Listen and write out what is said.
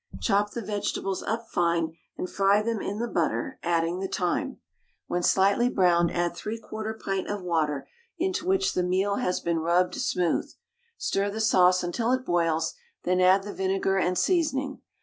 Chop the vegetables up fine, and fry them in the butter, adding the thyme. When slightly browned add 3/4 pint of water, into which the meal has been rubbed smooth. Stir the sauce until it boils, then add the vinegar and seasoning.